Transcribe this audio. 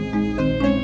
bapak juga begitu